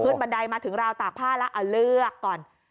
บันไดมาถึงราวตากผ้าแล้วเอาเลือกก่อน